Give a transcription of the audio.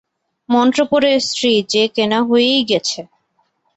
মন্ত্র পড়ে স্ত্রী যে কেনা হয়েই গেছে।